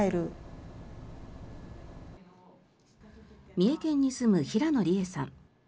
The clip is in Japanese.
三重県に住む平野利枝さん。